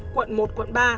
quận một quận ba